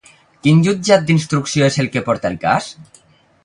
Quin Jutjat d'Instrucció és el que porta el cas?